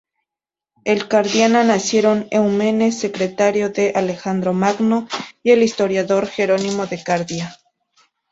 En Cardia nacieron Eumenes, secretario de Alejandro Magno y el historiador Jerónimo de Cardia.